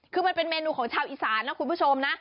คือมันเป็นเมนูของชาวอีสานนะคุณผู้ชมนะ